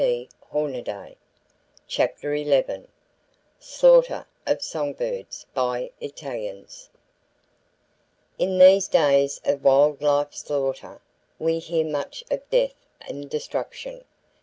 [Page 94] CHAPTER XI SLAUGHTER OF SONG BIRDS BY ITALIANS In these days of wild life slaughter, we hear much of death and destruction.